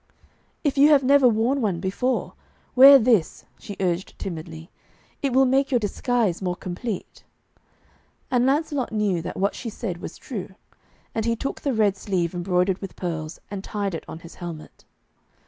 'If you have never worn one before, wear this,' she urged timidly. 'It will make your disguise more complete.' And Lancelot knew that what she said was true, and he took the red sleeve embroidered with pearls, and tied it on his helmet.